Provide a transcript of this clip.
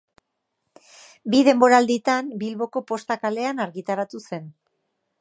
Bi denboralditan Bilboko Posta kalean argitaratu zen.